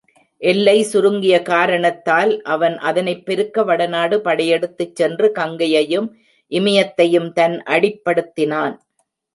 எல்லை சுருங்கிய காரணத்தால் அவன் அதனைப் பெருக்க வடநாடு படையெடுத்துச் சென்று கங்கையையும், இமயத்தையும் தன் அடிப்படுத்தினான்.